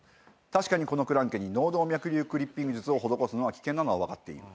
確かにこのクランケに脳動脈瘤クリッピング術を施すのは危険なのは分かっている。